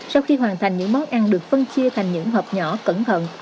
sau khi hoàn thành những món ăn được phân chia thành những hợp nhỏ cẩn thận